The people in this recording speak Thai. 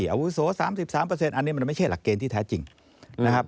อาวุโสสามสิบสามเปอร์เซ็นต์อันนี้มันไม่ใช่หลักเกณฑ์ที่แท้จริงนะครับ